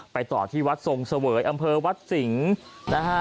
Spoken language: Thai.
ไปต่อที่วัดทรงเสเวยอำเภอวัดสิงห์